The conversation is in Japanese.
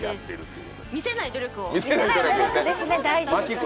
見せない努力を。